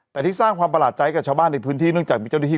แต่ที่สร้างความประหลาดใจกับชาวบ้านในพื้นที่เนื่องจากมีเจ้าหน้าที่